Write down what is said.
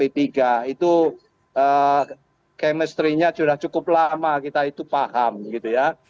itu chemistry nya sudah cukup lama kita itu paham gitu ya